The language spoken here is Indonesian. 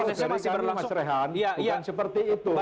kalau sedangkan ini mas rehan bukan seperti itu